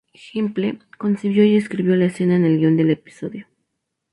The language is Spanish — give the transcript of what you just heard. Gimple concibió y escribió la escena en el guión del episodio.